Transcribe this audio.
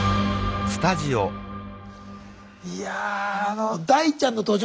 いやあの大ちゃんの登場。